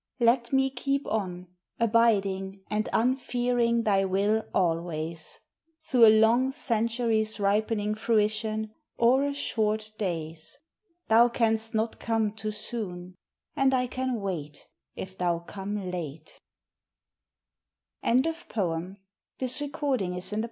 Let me keep on, abiding and unfearing Thy will always, Through a long century's ripening fruition Or a short day's ; Thou canst not come too soon ; and I can wait If thou come late.